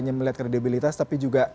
hanya melihat kredibilitas tapi juga